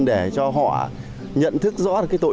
để cho họ nhận thức rõ tội lỗi